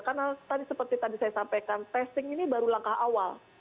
karena seperti tadi saya sampaikan testing ini baru langkah awal